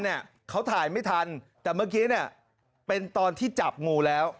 เนี่ยเขาถ่ายไม่ทันแต่เมื่อกี้เนี่ยเป็นตอนที่จับงูแล้ว